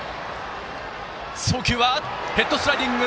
ヘッドスライディング！